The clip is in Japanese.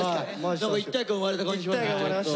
何か一体感生まれた感じしますね。